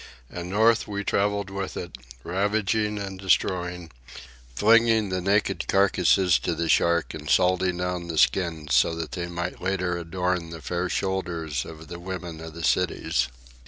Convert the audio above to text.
And north we travelled with it, ravaging and destroying, flinging the naked carcasses to the shark and salting down the skins so that they might later adorn the fair shoulders of the women of the cities.